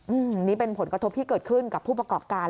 อืมนี่เป็นผลกระทบที่เกิดขึ้นกับผู้ประกอบการ